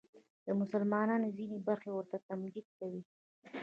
د مسلمانانو ځینې برخې ورته تمجید کوي